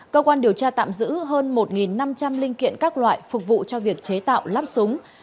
cơ quan điều tra tạm giữ hơn một năm trăm linh linh kiện các loại phục vụ cho việc chế tạo lắp súng